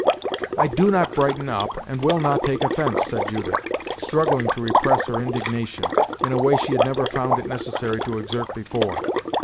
"I do not brighten up, and will not take offence," said Judith, struggling to repress her indignation, in a way she had never found it necessary to exert before.